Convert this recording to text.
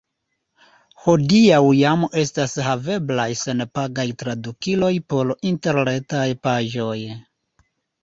Hodiaŭ jam estas haveblaj senpagaj tradukiloj por interretaj paĝoj.